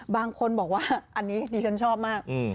บางคนบอกว่าอันนี้ดิฉันชอบมาก